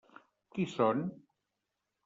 Qui són?